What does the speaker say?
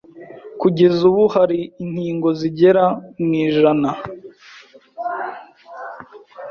Kugeza ubu hari inkingo zigera mu ijana